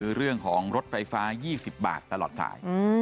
คือเรื่องของรถไฟฟ้า๒๐บาทตลอดสาย